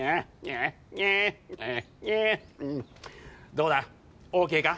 どうだＯＫか？